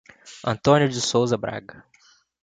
Antônio de Souza Braga